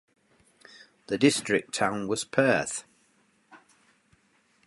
The district town was Perth.